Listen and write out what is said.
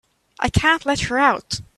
I can't let her out.